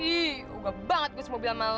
ih udah banget gue semua bilang malu